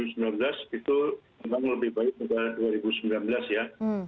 dua ribu delapan belas dua ribu sembilan belas itu memang lebih baik daripada dua ribu sembilan belas ya